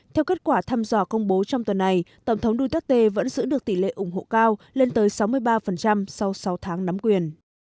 theo kết quả thăm dò công bố trong tuần này tổng thống duterte vẫn giữ được tỷ lệ ủng hộ cao lên tới sáu mươi ba sau sáu tháng nắm quyền